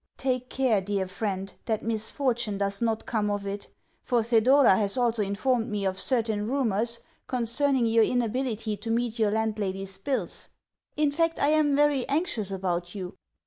Take care, dear friend, that misfortune does not come of it, for Thedora has also informed me of certain rumours concerning your inability to meet your landlady's bills. In fact, I am very anxious about you.